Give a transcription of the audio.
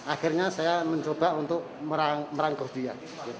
akhirnya saya mencoba untuk merangkul dia